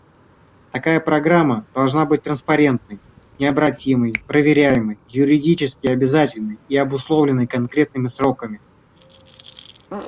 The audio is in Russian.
Такая программа должна быть транспарентной, необратимой, проверяемой, юридически обязательной и обусловленной конкретными сроками.